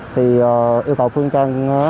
thì yêu cầu phương trang